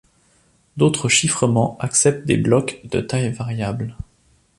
D'autres chiffrements acceptent des blocs de taille variable.